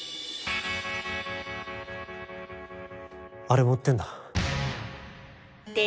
あれもうってんだ。